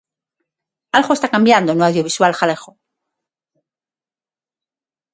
Algo está cambiando no audiovisual galego.